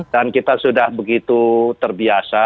dan kita sudah begitu terbiasa